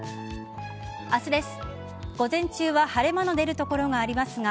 明日です。